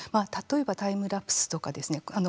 例えば、タイムラプスとかですね